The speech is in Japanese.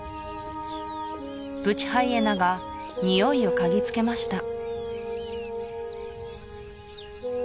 ブチハイエナがニオイを嗅ぎつけました